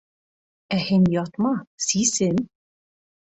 Ә һин ятма, сисен.